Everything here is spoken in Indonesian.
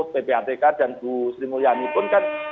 ppatk dan bu sri mulyani pun kan